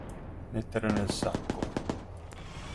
Mettere nel sacco.